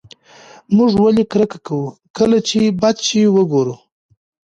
موږ ولې کرکه کوو کله چې بد شی وګورو؟